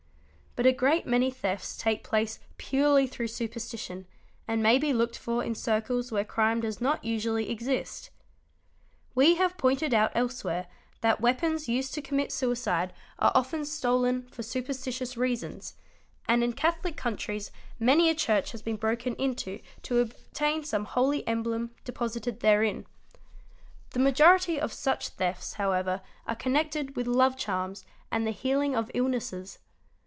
But a great many thefts take place purely through superstition and may be looked for in circles where crime does not usually exist". We have pointed out elsewhere that weapons used to commit suicide are often stolen for superstitious reasons, and im grass makes the cow give the best milk "6 Catholic countries many a church has been broken into to obtain some DACOITY | 755 Holy emblem deposited therein. The majority of such thefts however are connected with love charms and the healing of illnesses.